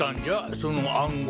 その暗号。